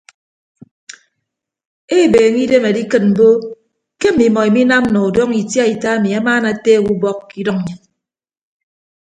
Ebeeñe idem adikịt mbo ke mmimọ iminam nọ udọñọ itiaita ami amaana ateek ubọk ke idʌñ nnyịn.